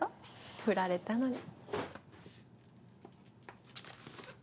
振られたのに。